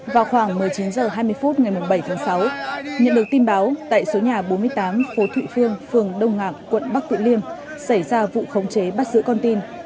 vào khoảng một mươi chín h hai mươi phút ngày bảy tháng sáu nhận được tin báo tại số nhà bốn mươi tám phố thụy phương phường đông ngạc quận bắc tử liêm xảy ra vụ khống chế bắt giữ con tin